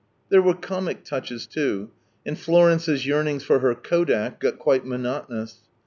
There were comic touches too, and Florence's yearnings for her kodak got quite monotonous.